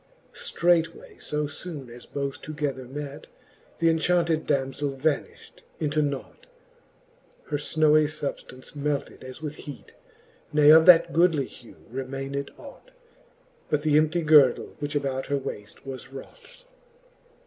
Streight way fb foone as both together met, Th'enchaunted damzell vanifht into nought ; Her ihowy fubftance melted as with heat, Ne of that goodly hew remayned ought. But th'emptie girdle, which about her waft was wrought.